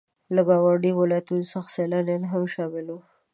له ګاونډيو ولاياتو څخه سيلانيان هم شامل وو.